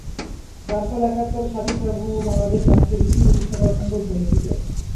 যার ফলে একাত্তরে স্বাধীন সার্বভৌম বাংলাদেশ রাষ্ট্রের ভিত্তি প্রতিষ্ঠা করা সম্ভব হয়েছিল।